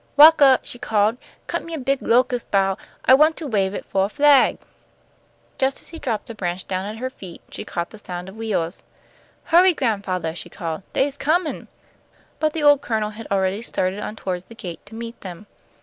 "Walkah," she called, "cut me a big locus' bough. I want to wave it fo' a flag!" Just as he dropped a branch down at her feet, she caught the sound of wheels. "Hurry, gran'fathah," she called; "they's comin'." But the old Colonel had already started on toward the gate to meet them.